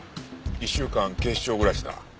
１週間警視庁暮らしだ。